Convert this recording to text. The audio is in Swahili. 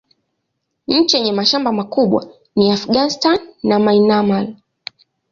Nchi yenye mashamba makubwa ni Afghanistan na Myanmar.